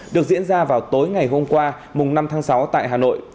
được diễn ra vào tối ngày hôm qua năm tháng sáu tại hà nội